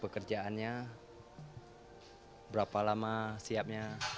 kerjaannya berapa lama siapnya